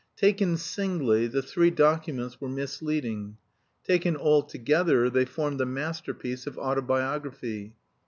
Taken singly, the three documents were misleading; taken altogether, they formed a masterpiece of autobiography.